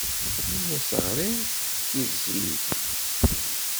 Mi as-ɣriɣ, yezzi-d.